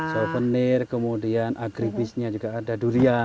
souvenir kemudian agribisnya juga ada durian